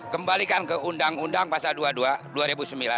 kembalikan ke undang undang pasal dua puluh dua dua ribu sembilan